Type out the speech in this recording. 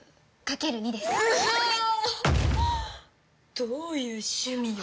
どういう趣味よ。